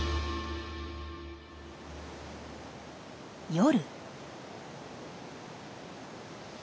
夜。